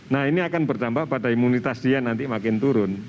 nah ini akan berdampak pada imunitas dia nanti makin turun